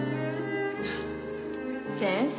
先生